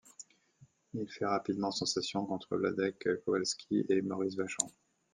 Il fait rapidement sensation contre Wladek Kowalski, et Maurice Vachon.